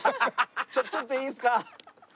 ちょっといいですか？